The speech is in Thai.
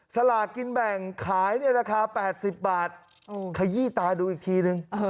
สลากินแบ่งขายในราคา๘๐บาทขยี้ตาดูอีกทีนึง